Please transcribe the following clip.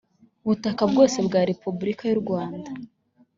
butaka bwose bwa repubulika y u rwanda